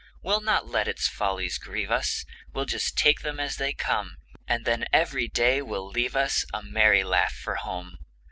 We'll not let its follies grieve us, We'll just take them as they come; And then every day will leave us A merry laugh for home.